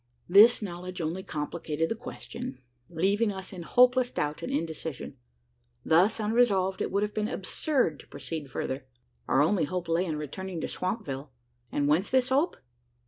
This knowledge only complicated the question, leaving us in hopeless doubt and indecision. Thus unresolved, it would have been absurd to proceed further. Our only hope lay in returning to Swampville. And whence this hope?